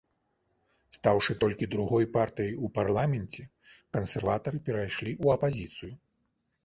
Стаўшы толькі другой партыяй у парламенце кансерватары перайшлі ў апазіцыю.